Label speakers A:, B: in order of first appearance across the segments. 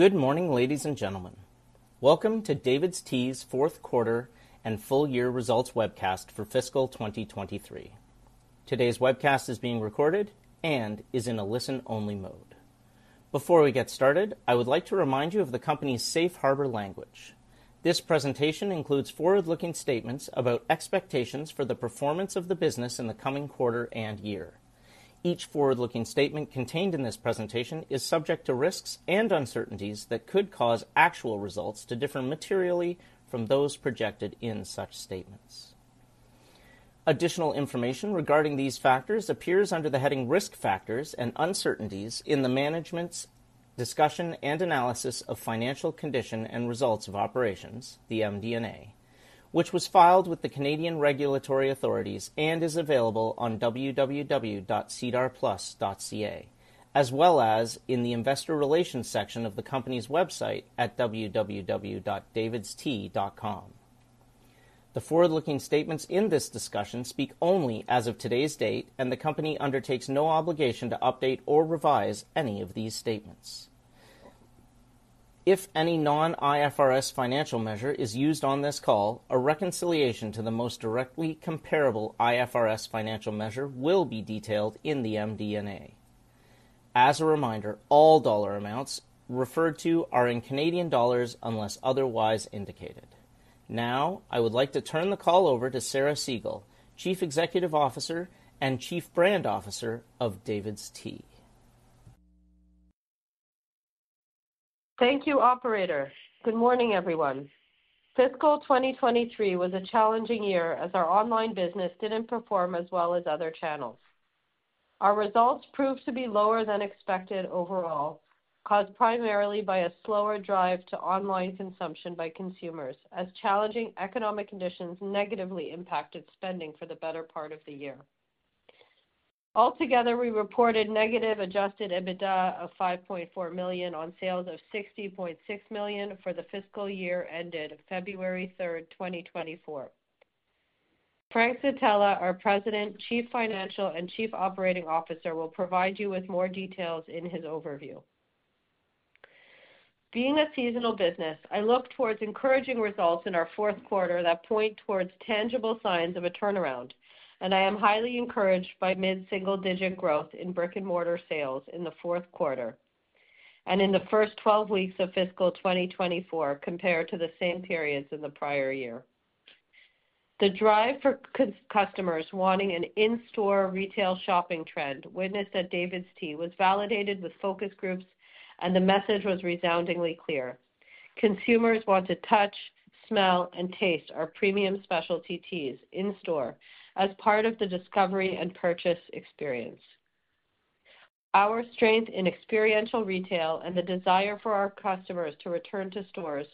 A: Good morning, ladies and gentlemen. Welcome to DAVIDsTEA's fourth quarter and full year results webcast for fiscal 2023. Today's webcast is being recorded and is in a listen-only mode. Before we get started, I would like to remind you of the company's Safe Harbor language. This presentation includes forward-looking statements about expectations for the performance of the business in the coming quarter and year. Each forward-looking statement contained in this presentation is subject to risks and uncertainties that could cause actual results to differ materially from those projected in such statements. Additional information regarding these factors appears under the heading Risk Factors and Uncertainties in the Management's Discussion and Analysis of Financial Condition and Results of Operations, the MD&A, which was filed with the Canadian regulatory authorities and is available on www.sedarplus.ca, as well as in the Investor Relations section of the company's website at www.davidstea.com. The forward-looking statements in this discussion speak only as of today's date, and the company undertakes no obligation to update or revise any of these statements. If any non-IFRS financial measure is used on this call, a reconciliation to the most directly comparable IFRS financial measure will be detailed in the MD&A. As a reminder, all dollar amounts referred to are in Canadian dollars unless otherwise indicated. Now, I would like to turn the call over to Sarah Segal, Chief Executive Officer and Chief Brand Officer of DAVIDsTEA.
B: Thank you, operator. Good morning, everyone. Fiscal 2023 was a challenging year as our online business didn't perform as well as other channels. Our results proved to be lower than expected overall, caused primarily by a slower drive to online consumption by consumers, as challenging economic conditions negatively impacted spending for the better part of the year. Altogether, we reported negative adjusted EBITDA of 5.4 million on sales of 60.6 million for the fiscal year ended February 3, 2024. Frank Zitella, our President, Chief Financial Officer, and Chief Operating Officer, will provide you with more details in his overview. Being a seasonal business, I look towards encouraging results in our fourth quarter that point towards tangible signs of a turnaround, and I am highly encouraged by mid-single-digit growth in brick-and-mortar sales in the fourth quarter and in the first 12 weeks of fiscal 2024 compared to the same periods in the prior year. The drive for customers wanting an in-store retail shopping trend witnessed that DAVIDsTEA was validated with focus groups, and the message was resoundingly clear. Consumers want to touch, smell, and taste our premium specialty teas in store as part of the discovery and purchase experience. Our strength in experiential retail and the desire for our customers to return to stores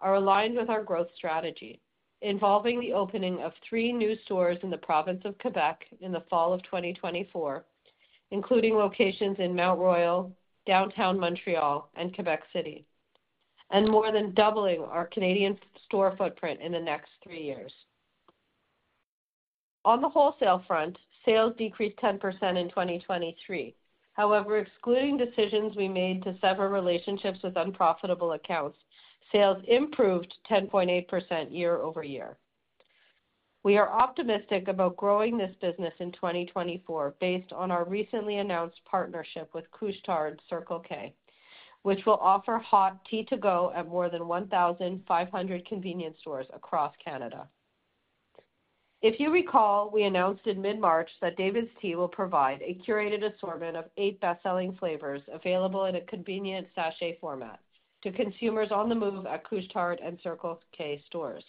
B: are aligned with our growth strategy, involving the opening of 3 new stores in the province of Quebec in the fall of 2024, including locations in Mount Royal, downtown Montreal, and Quebec City, and more than doubling our Canadian store footprint in the next 3 years. On the wholesale front, sales decreased 10% in 2023. However, excluding decisions we made to sever relationships with unprofitable accounts, sales improved 10.8% year-over-year. We are optimistic about growing this business in 2024, based on our recently announced partnership with Couche-Tard Circle K, which will offer hot tea to go at more than 1,500 convenience stores across Canada. If you recall, we announced in mid-March that DAVIDsTEA will provide a curated assortment of eight best-selling flavors available in a convenient sachet format to consumers on the move at Couche-Tard and Circle K stores.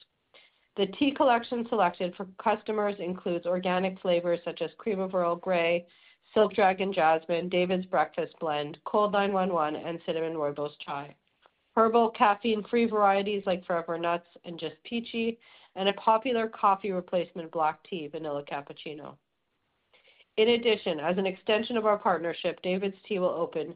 B: The tea collection selected for customers includes organic flavors such as Cream of Earl Grey, Silk Dragon Jasmine, David's Breakfast Blend, Cold Nine One One, and Cinnamon Rooibos Chai, herbal caffeine-free varieties like Forever Nuts and Just Peachy, and a popular coffee replacement, black tea, Vanilla Cappuccino. In addition, as an extension of our partnership, DAVIDsTEA will open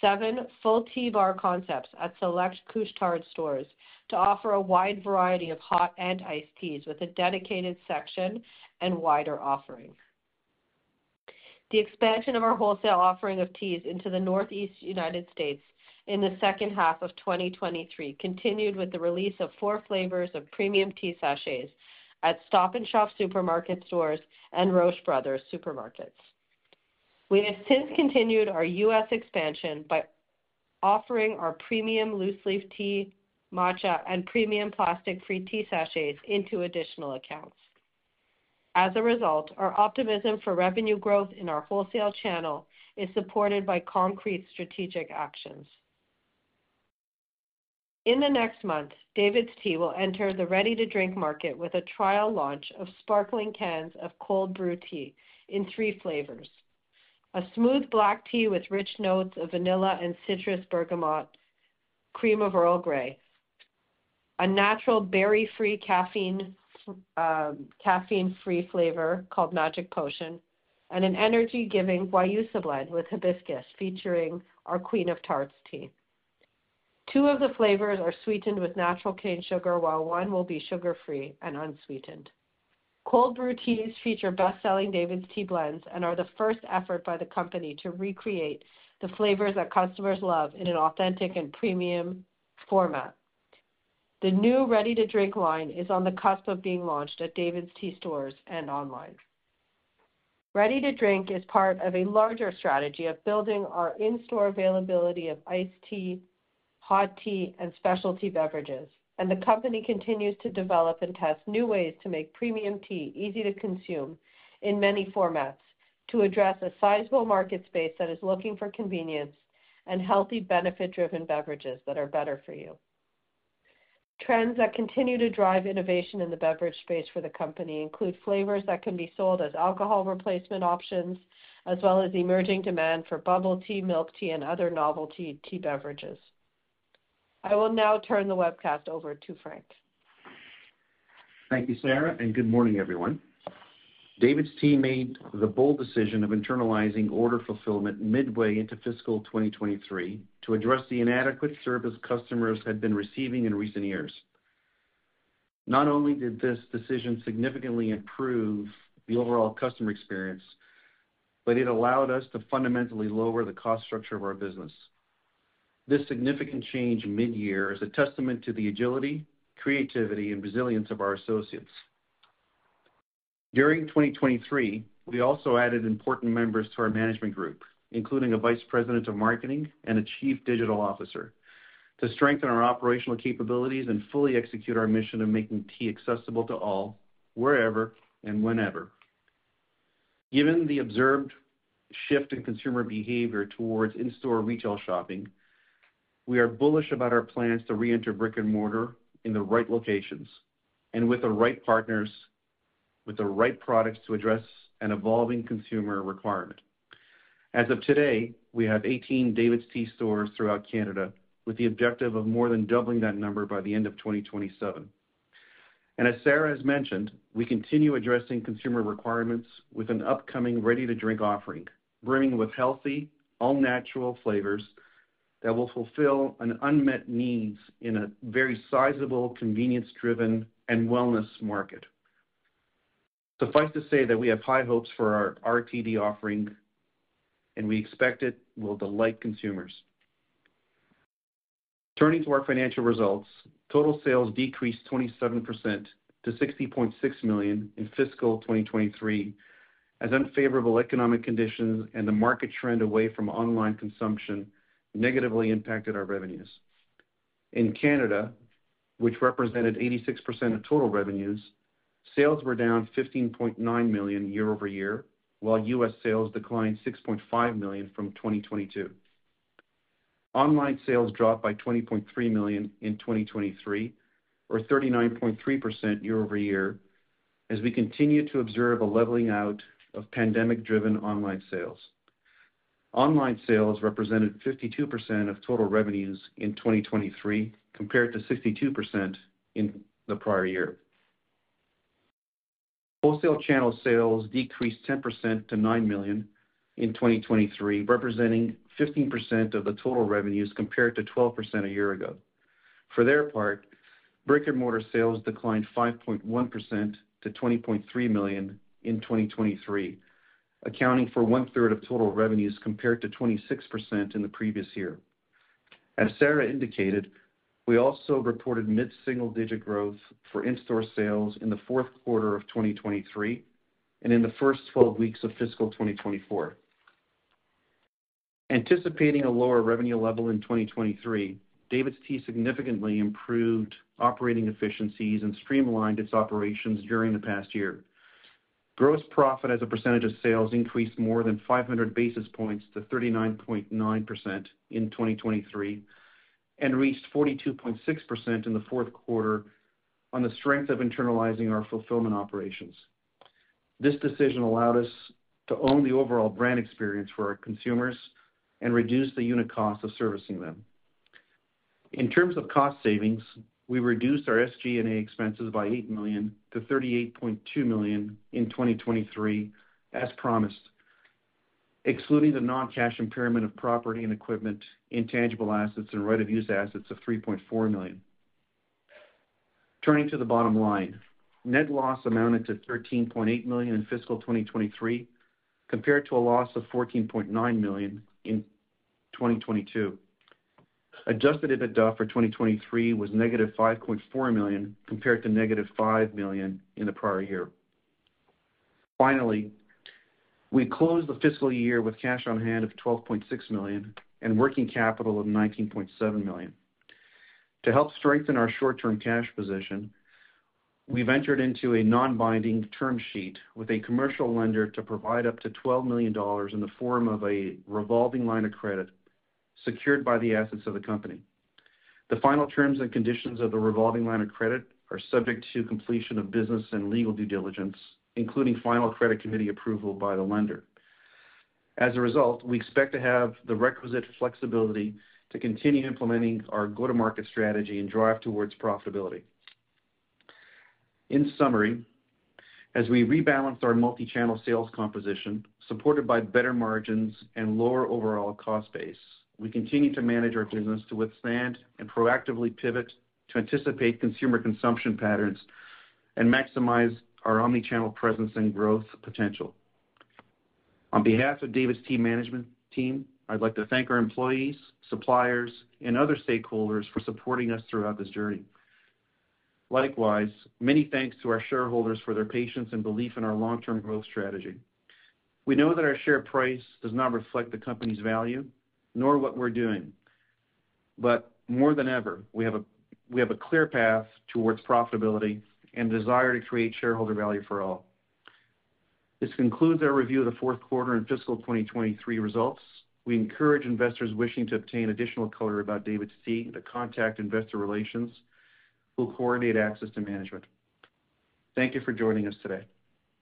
B: seven full tea bar concepts at select Couche-Tard stores to offer a wide variety of hot and iced teas with a dedicated section and wider offering. The expansion of our wholesale offering of teas into the Northeast United States in the second half of 2023 continued with the release of 4 flavors of premium tea sachets at Stop & Shop supermarket stores and Roche Bros. supermarkets. We have since continued our US expansion by offering our premium loose leaf tea, matcha, and premium plastic-free tea sachets into additional accounts. As a result, our optimism for revenue growth in our wholesale channel is supported by concrete strategic actions. In the next month, DAVIDsTEA will enter the ready-to-drink market with a trial launch of sparkling cans of cold brew tea in 3 flavors: a smooth black tea with rich notes of vanilla and citrus bergamot, Cream of Earl Grey, a natural berry-free caffeine-free flavor called Magic Potion, and an energy-giving guayusa blend with hibiscus, featuring our Queen of Tarts tea. Two of the flavors are sweetened with natural cane sugar, while one will be sugar-free and unsweetened.... Cold brew teas feature best-selling DAVIDsTEA blends and are the first effort by the company to recreate the flavors that customers love in an authentic and premium format. The new ready-to-drink line is on the cusp of being launched at DAVIDsTEA stores and online. Ready-to-drink is part of a larger strategy of building our in-store availability of iced tea, hot tea, and specialty beverages, and the company continues to develop and test new ways to make premium tea easy to consume in many formats to address a sizable market space that is looking for convenience and healthy, benefit-driven beverages that are better for you. Trends that continue to drive innovation in the beverage space for the company include flavors that can be sold as alcohol replacement options, as well as emerging demand for bubble tea, milk tea, and other novelty tea beverages. I will now turn the webcast over to Frank.
C: Thank you, Sarah, and good morning, everyone. Dmade the bold decision of internalizing order fulfillment midway into fiscal 2023 to address the inadequate service customers had been receiving in recent years. Not only did this decision significantly improve the overall customer experience, but it allowed us to fundamentally lower the cost structure of our business. This significant change midyear is a testament to the agility, creativity and resilience of our associates. During 2023, we also added important members to our management group, including a vice president of marketing and a chief digital officer, to strengthen our operational capabilities and fully execute our mission of making tea accessible to all, wherever and whenever. Given the observed shift in consumer behavior towards in-store retail shopping, we are bullish about our plans to reenter brick-and-mortar in the right locations and with the right partners, with the right products to address an evolving consumer requirement. As of today, we have 18 DAVIDsTEA stores throughout Canada, with the objective of more than doubling that number by the end of 2027. And as Sarah has mentioned, we continue addressing consumer requirements with an upcoming ready-to-drink offering, brimming with healthy, all-natural flavors that will fulfill an unmet needs in a very sizable, convenience-driven, and wellness market. Suffice to say that we have high hopes for our RTD offering, and we expect it will delight consumers. Turning to our financial results, total sales decreased 27% to 60.6 million in fiscal 2023, as unfavorable economic conditions and the market trend away from online consumption negatively impacted our revenues. In Canada, which represented 86% of total revenues, sales were down 15.9 million year-over-year, while US sales declined 6.5 million from 2022. Online sales dropped by 20.3 million in 2023, or 39.3% year-over-year, as we continue to observe a leveling out of pandemic-driven online sales. Online sales represented 52% of total revenues in 2023, compared to 62% in the prior year. Wholesale channel sales decreased 10% to 9 million in 2023, representing 15% of the total revenues, compared to 12% a year ago. For their part, brick-and-mortar sales declined 5.1% to 20.3 million in 2023, accounting for one-third of total revenues, compared to 26% in the previous year. As Sarah indicated, we also reported mid-single-digit growth for in-store sales in the fourth quarter of 2023 and in the first 12 weeks of fiscal 2024. Anticipating a lower revenue level in 2023, DAVIDsTEA significantly improved operating efficiencies and streamlined its operations during the past year. Gross profit as a percentage of sales increased more than 500 basis points to 39.9% in 2023, and reached 42.6% in the fourth quarter on the strength of internalizing our fulfillment operations. This decision allowed us to own the overall brand experience for our consumers and reduce the unit cost of servicing them. In terms of cost savings, we reduced our SG&A expenses by 8 million to 38.2 million in 2023, as promised, excluding the non-cash impairment of property and equipment, intangible assets, and right of use assets of 3.4 million. Turning to the bottom line. Net loss amounted to 13.8 million in fiscal 2023, compared to a loss of 14.9 million in 2022. Adjusted EBITDA for 2023 was -5.4 million, compared to -5 million in the prior year. Finally, we closed the fiscal year with cash on hand of 12.6 million and working capital of 19.7 million. To help strengthen our short-term cash position, we've entered into a non-binding term sheet with a commercial lender to provide up to 12 million dollars in the form of a revolving line of credit secured by the assets of the company. The final terms and conditions of the revolving line of credit are subject to completion of business and legal due diligence, including final credit committee approval by the lender. As a result, we expect to have the requisite flexibility to continue implementing our go-to-market strategy and drive towards profitability. In summary, as we rebalance our multi-channel sales composition, supported by better margins and lower overall cost base, we continue to manage our business to withstand and proactively pivot to anticipate consumer consumption patterns and maximize our omni-channel presence and growth potential. On behalf of DAVIDsTEA management team, I'd like to thank our employees, suppliers, and other stakeholders for supporting us throughout this journey. Likewise, many thanks to our shareholders for their patience and belief in our long-term growth strategy. We know that our share price does not reflect the company's value, nor what we're doing. But more than ever, we have a clear path towards profitability and desire to create shareholder value for all. This concludes our review of the fourth quarter and fiscal 2023 results. We encourage investors wishing to obtain additional color about DAVIDsTEA to contact investor relations, who will coordinate access to management. Thank you for joining us today.